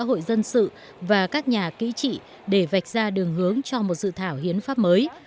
các nhà hoạt động xã hội dân sự và các nhà kỹ trị để vạch ra đường hướng cho một dự thảo hiến pháp mới